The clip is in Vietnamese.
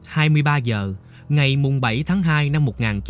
hai mươi ba h ngày bảy tháng hai năm một nghìn chín trăm tám mươi một